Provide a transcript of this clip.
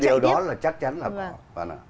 thì điều đó là chắc chắn là có